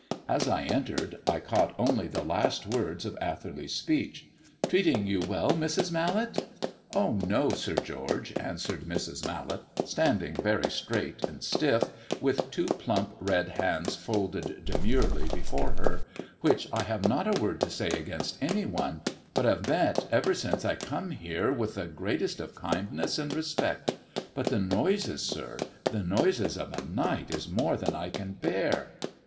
As I entered I caught only the last words of Atherley's speech " treating you well, Mrs. Mallet?" "Oh no, Sir George," answered Mrs. Mallet, standing very straight and stiff, with two plump red hands folded demurely before her; "which I have not a word to say against any one, but have met, ever since I come here, with the greatest of kindness and respect. But the noises, sir, the noises of a night is more than I can abear."